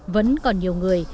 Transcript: vẫn còn nhiều người